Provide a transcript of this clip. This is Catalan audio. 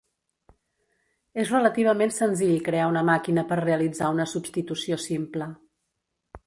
És relativament senzill crear una màquina per realitzar una substitució simple.